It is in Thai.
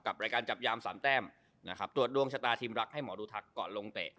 รายการจับยามสามแต้มนะครับตรวจดวงชะตาทีมรักให้หมอดูทักก่อนลงเตะ